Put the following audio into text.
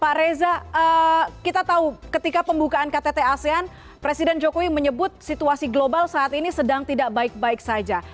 pak reza kita tahu ketika pembukaan ktt asean presiden jokowi menyebut situasi global saat ini sedang tidak baik baik saja